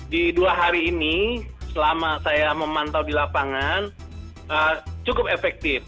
di dua hari ini selama saya memantau di lapangan cukup efektif